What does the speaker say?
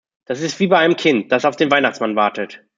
Das ist wie bei einem Kind, das auf den Weihnachtsmann wartet.